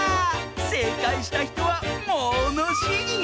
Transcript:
せいかいしたひとはものしり！